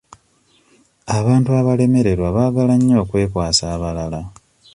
Abantu abalemererwa baagala nnyo okwekwasa abalala.